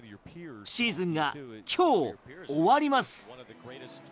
シーズンが今日終わります。